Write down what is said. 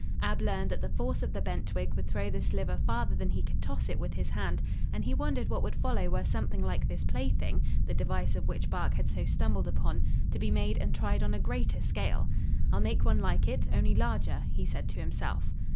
Ab learned that the force of the bent twig would throw the sliver farther than he could toss it with his hand, and he wondered what would follow were something like this plaything, the device of which Bark had so stumbled upon, to be made and tried on a greater scale. "I'll make one like it, only larger," he said to himself.